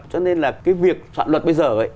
cho nên là cái việc soạn luật bây giờ